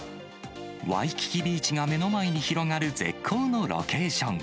ワイキキビーチが目の前に広がる絶好のロケーション。